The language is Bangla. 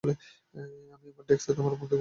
আমি আমার ডেস্কে তোমার বন্দুক এবং ব্যাজ আশা করছি।